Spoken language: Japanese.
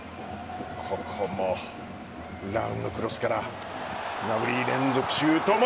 ここもラウムのクロスからグナブリ連続シュート。